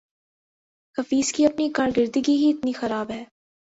حفیظ کی اپنی کارکردگی ہی اتنی خراب ہے